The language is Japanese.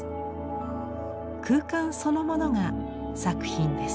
空間そのものが作品です。